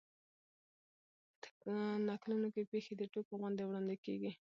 په نکلونو کښي پېښي د ټوګو غوندي وړاندي کېږي.